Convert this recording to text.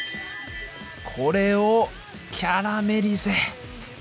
これをキャラメリゼ！